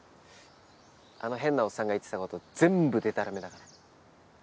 あの変なおっさんが言ってた事全部でたらめだから。